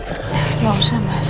enggak usah mas